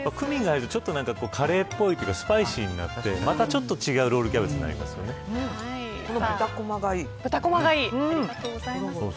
クミンが入るとカレーっぽいけどスパイシーになってまたちょっと違うロールキャベツにこの豚コマがいい。